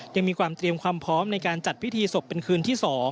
ยังมีความเตรียมความพร้อมในการจัดพิธีศพเป็นคืนที่๒